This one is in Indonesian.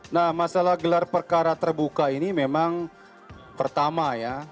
nah masalah gelar perkara terbuka ini memang pertama ya